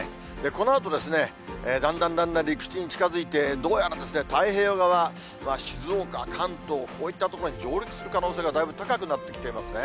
このあと、だんだんだんだん陸地に近づいて、どうやら太平洋側は静岡、関東、こういった所に上陸する可能性がだいぶ高くなってきていますね。